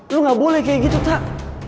lo nggak boleh kayak gitu tak